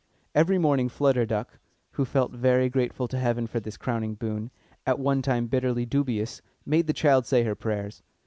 Every morning Flutter Duck, who felt very grateful to Heaven for this crowning boon, at one time bitterly dubious, made the child say her prayers.